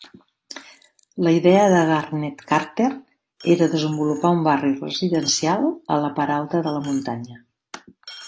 La idea de Garnet Carter era desenvolupar un barri residencial a la part alta de la muntanya.